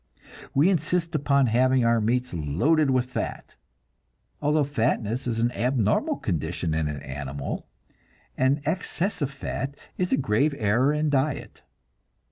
We insist upon having our meats loaded with fat, although fatness is an abnormal condition in an animal, and excess of fat is a grave error in diet.